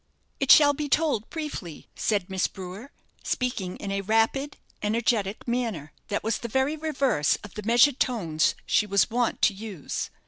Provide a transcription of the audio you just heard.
"It shall be told briefly," said Miss Brewer, speaking in a rapid, energetic manner that was the very reverse of the measured tones she was wont to use.